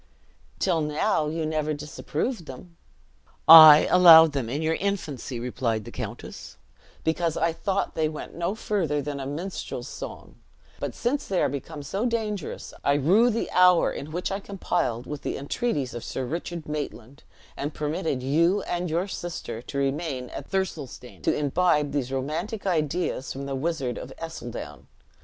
"Till now, you never disapproved them." "I allowed them in your infancy," replied the countess, "because I thought they went no further than a minstrel's song; but since they are become so dangerous, I rue the hour in which I complied with the entreaties of Sir Richard Maitland, and permitted you and your sister to remain at Thirlestane, to imbibe these romantic ideas from the wizard of Ercildown.